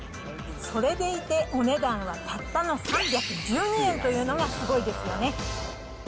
それでいて、お値段はたったの３１２円というのがすごいですよね。